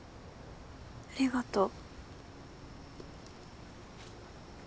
ありがと。